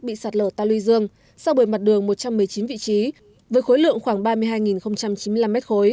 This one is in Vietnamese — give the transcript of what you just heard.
bị sạt lở ta luy dương sau bời mặt đường một trăm một mươi chín vị trí với khối lượng khoảng ba mươi hai chín mươi năm m ba